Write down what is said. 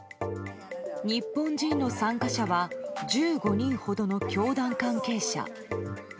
日本人の参加者は１５人ほどの教団関係者。